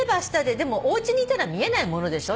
でもおうちにいたら見えないものでしょ？